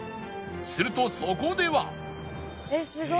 するとそこでは